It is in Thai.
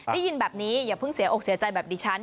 ได้ยินแบบนี้อย่าเพิ่งเสียอกเสียใจแบบดิฉัน